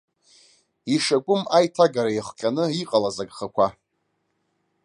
Ишакәым аиҭагара иахҟьаны иҟалаз агхақәа.